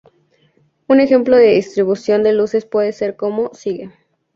Un ejemplo de distribución de luces puede ser como sigue.